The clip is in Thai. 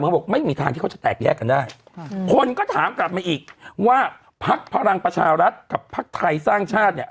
เขาบอกไม่มีทางที่เขาจะแตกแยกกันได้คนก็ถามกลับมาอีกว่าพักพลังประชารัฐกับพักไทยสร้างชาติเนี่ย